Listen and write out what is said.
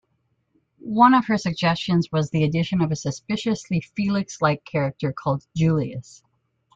One of her suggestions was the addition of a suspiciously Felix-like character called Julius.